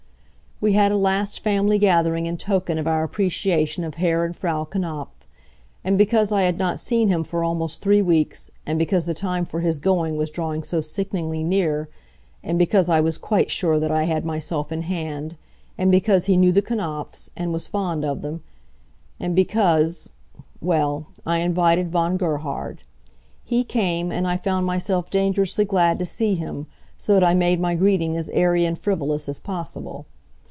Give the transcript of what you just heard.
We had a last family gathering in token of our appreciation of Herr and Frau Knapf. And because I had not seen him for almost three weeks; and because the time for his going was drawing so sickeningly near; and because I was quite sure that I had myself in hand; and because he knew the Knapfs, and was fond of them; and because well, I invited Von Gerhard. He came, and I found myself dangerously glad to see him, so that I made my greeting as airy and frivolous as possible.